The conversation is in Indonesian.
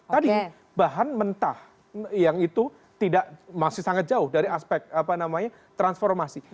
tadi bahan mentah yang itu tidak masih sangat jauh dari aspek transformasi